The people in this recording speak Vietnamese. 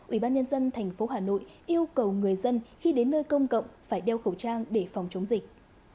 ubnd tp hà nội yêu cầu người dân khi đến nơi công cộng phải đeo khẩu trang để phòng chống dịch